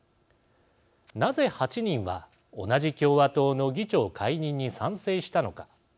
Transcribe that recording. なぜ８人は同じ共和党の議長解任に賛成したのか。